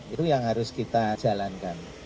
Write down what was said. itu yang harus kita jalankan